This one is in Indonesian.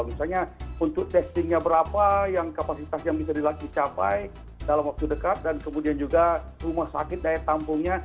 misalnya untuk testingnya berapa kapasitas yang bisa dicapai dalam waktu dekat dan kemudian juga rumah sakit daya tampungnya